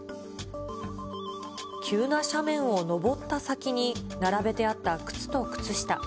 急な斜面を上った先に並べてあった靴と靴下。